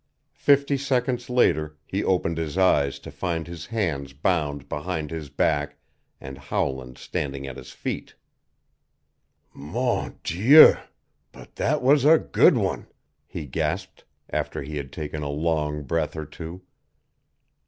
Fifty seconds later he opened his eyes to find his hands bound behind his back and Howland standing at his feet. "Mon Dieu, but that was a good one!" he gasped, after he had taken a long breath or two.